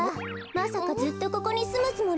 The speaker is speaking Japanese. まさかずっとここにすむつもりなの？